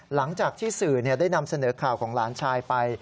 หลังจากที่สื่อได้นำเสนอข่าวของหลานชายไป